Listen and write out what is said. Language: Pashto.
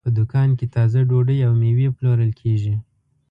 په دوکان کې تازه ډوډۍ او مېوې پلورل کېږي.